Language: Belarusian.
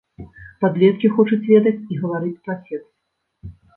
Падлеткі хочуць ведаць і гаварыць пра секс!